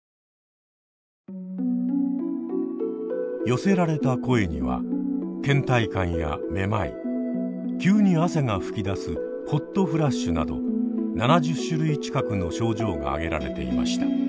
寄せられた声にはけん怠感やめまい急に汗が噴き出すホットフラッシュなど７０種類近くの症状が挙げられていました。